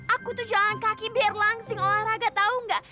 aku tuh jalan kaki biar langsing olahraga tau gak